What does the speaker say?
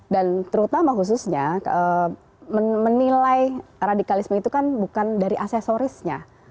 dan terutama khususnya menilai radikalisme itu kan bukan dari aksesorisnya